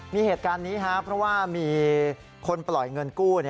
มีเหตุการณ์นี้ครับเพราะว่ามีคนปล่อยเงินกู้